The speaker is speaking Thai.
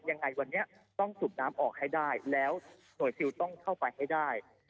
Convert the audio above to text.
ยังไงวันนี้ต้องสูบน้ำออกให้ได้แล้วหน่วยซิลต้องเข้าไปให้ได้